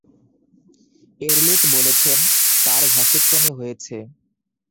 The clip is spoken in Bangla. এরলিচ বলেছেন তার ভ্যাসেকটমি হয়েছে।